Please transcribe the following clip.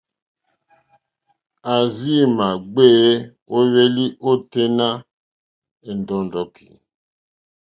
A rziima gbèe wo hwelì o tenì nà è ndɔ̀ndɔ̀ki.